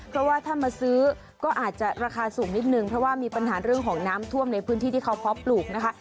เพราะว่าถ้ามาซื้อก็อาจจะราคาสูงนิดนึงเพราะว่ามีปัญหาเรื่องของน้ำท่วมในพื้นที่ที่เขาเพาะปลูกนะคะ